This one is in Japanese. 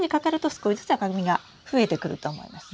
少しずつ赤みが増えてくると思います。